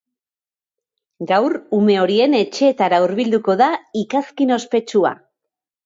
Gaur, ume horien etxeetara hurbilduko da ikazkin ospetsua.